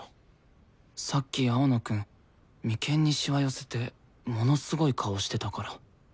さっき青野くん眉間にシワ寄せてものすごい顔してたから。